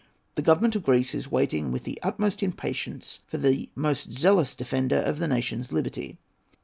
The Government of Greece is waiting with the utmost impatience for the most zealous defender of the nation's liberty.